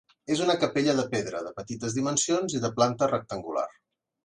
És una capella de pedra, de petites dimensions i de planta rectangular.